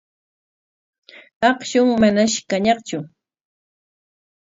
Akshun manash kañaqtsu.